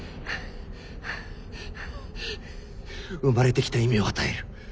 生まれてきた意味を与える。